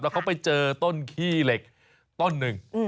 เขาไปเจอต้นขี้เหล็กต้นหนึ่ง